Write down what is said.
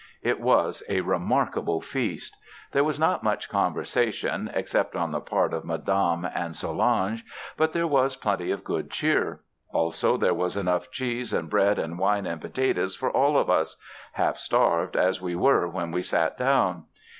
It was a memorable feast. There was not much conversation except on the part of Madame and Solange but there was plenty of good cheer. Also there was enough cheese and bread and wine and potatoes for all of us half starved as we were when we sat down.